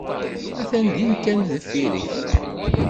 Attan din kan deffir-k.